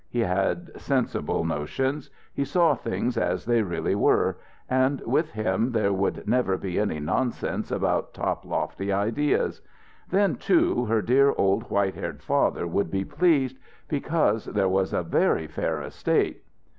He had sensible notions; he saw things as they really were, and with him there would never be any nonsense about top lofty ideas. Then, too, her dear old white haired father would be pleased, because there was a very fair estate....